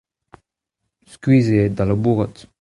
Skuizh eo aet o labourat.